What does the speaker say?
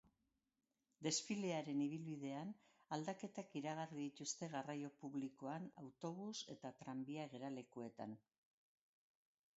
Desfilearen ibilbidean, aldaketak iragarri dituzte garraio publikoan, autobus eta tranbia geralekuetan.